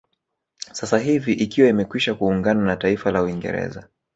Sasa hivi ikiwa imekwisha kuungana na taifa la Uingerza